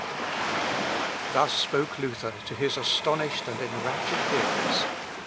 (Ibid.) Thus spoke Luther to his astonished and enraptured hearers.